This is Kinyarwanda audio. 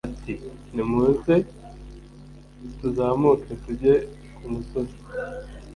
ati nimuze f tuzamuke tujye kumusozi